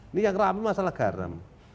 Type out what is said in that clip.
ini yang rame masalah garam